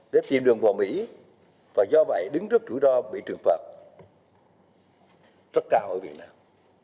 để tìm đường vào mỹ và do vậy đứng trước rủi ro bị trừng phạt rất cao ở việt nam